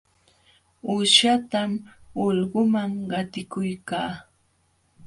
Uushatam ulquman qatikuykaa.